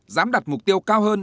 dám đặt mục tiêu cao hơn